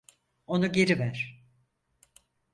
Onu geri ver!